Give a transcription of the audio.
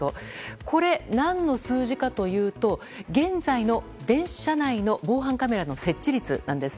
これ、何の数字かといいますと現在の電車内の防犯カメラの設置率なんです。